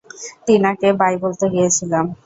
টিনাকে bye বলতে গিয়েছিলাম।